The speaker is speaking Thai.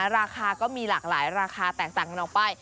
ราคาก็มีหลากหลายราคาแตกต่างกันออกไป